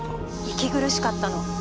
息苦しかったの。